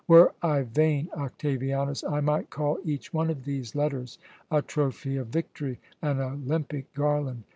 Were I vain, Octavianus, I might call each one of these letters a trophy of victory, an Olympic garland.